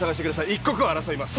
一刻を争います。